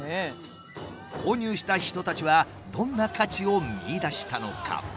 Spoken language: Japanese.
購入した人たちはどんな価値を見いだしたのか？